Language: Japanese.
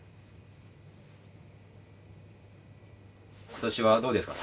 今年はどうですか？